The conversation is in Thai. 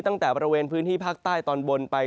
ตั้งแต่บริเวณพื้นที่ภาคใต้ตอนบนไป